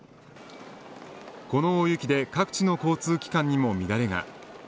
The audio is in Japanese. この大雪で各地の交通機関にも乱れが。